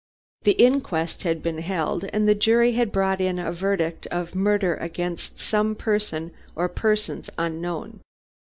The inquest had been held, and the jury had brought in a verdict of "Murder against some person or persons unknown!"